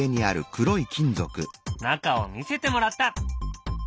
中を見せてもらった。